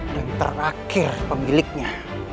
dan terakhir pemiliknya